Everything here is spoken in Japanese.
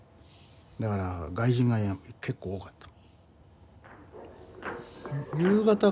だから外人が結構多かった。